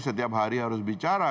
setiap hari harus bicara